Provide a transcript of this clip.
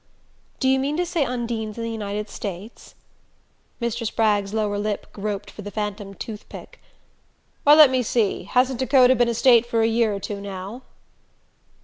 "Do you mean to say Undine's in the United States?" Mr. Spragg's lower lip groped for the phantom tooth pick. "Why, let me see: hasn't Dakota been a state a year or two now?"